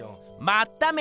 まっため！